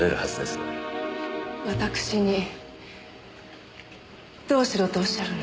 私にどうしろとおっしゃるの？